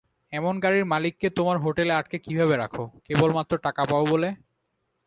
এমন গাড়ির মালিককে তোমার হোটেলে আটকে কীভাবে রাখো কেবলমাত্র টাকা পাও বলে।